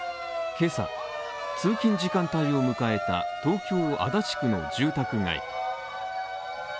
今朝、通勤時間帯を迎えた東京・足立区の住宅街。